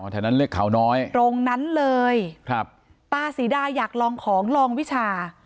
แถวนั้นเรียกเขาน้อยตรงนั้นเลยครับตาศรีดาอยากลองของลองวิชา